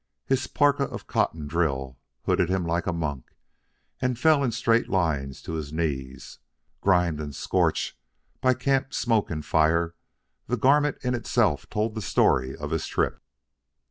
His parka of cotton drill hooded him like a monk, and fell in straight lines to his knees. Grimed and scorched by camp smoke and fire, the garment in itself told the story of his trip.